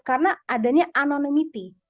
karena adanya anonymity